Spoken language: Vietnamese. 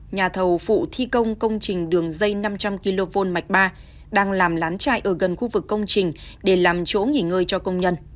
nhà thầu phụ thi công công trình đường dây năm trăm linh kv mạch ba đang làm lán chạy ở gần khu vực công trình để làm chỗ nghỉ ngơi cho công nhân